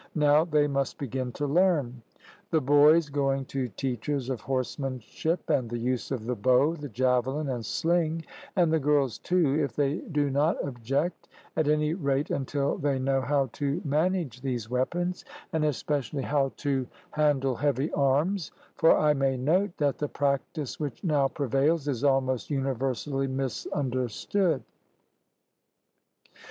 Now they must begin to learn the boys going to teachers of horsemanship and the use of the bow, the javelin, and sling, and the girls too, if they do not object, at any rate until they know how to manage these weapons, and especially how to handle heavy arms; for I may note, that the practice which now prevails is almost universally misunderstood.